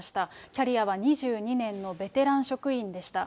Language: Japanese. キャリアは２２年のベテラン職員でした。